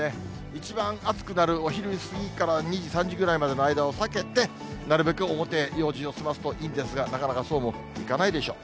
一番暑くなるお昼過ぎから２時、３時ぐらいの間を避けて、なるべく表で用事を済ますといいんですが、なかなかそうもいかないでしょう。